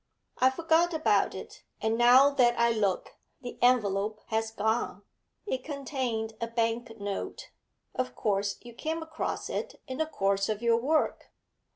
I forgot about it, and now that I look, the envelope has gone. It contained a bank note. Of course you came across it in the course of your work.'